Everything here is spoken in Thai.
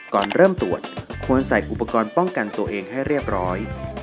ก่อนเริ่มตรวจควรใส่อุปกรณ์ป้องกันตัวเองให้เรียบร้อย